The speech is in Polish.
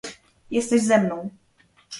Jesteś ze mną.